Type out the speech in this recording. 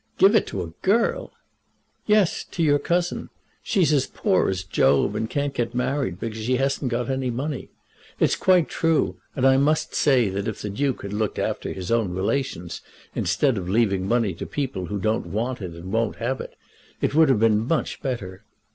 "Give it to a girl!" "Yes; to your cousin. She's as poor as Job, and can't get married because she hasn't got any money. It's quite true; and I must say that if the Duke had looked after his own relations instead of leaving money to people who don't want it and won't have it, it would have been much better.